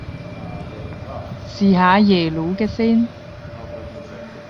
試下耶魯嘅先